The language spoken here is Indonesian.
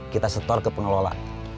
kita setor ke pengelola